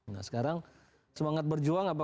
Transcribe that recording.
nah sekarang semangat berjuang